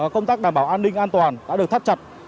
công tác đảm bảo an ninh an toàn đã được thắt chặt